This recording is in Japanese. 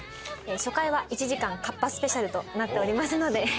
初回は１時間カッパスペシャルとなっておりますので。